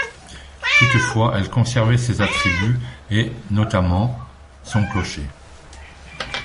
Toutefois, elle conservait ses attributs et, notamment, son clocher.